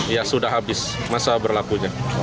ya sudah habis masa berlakunya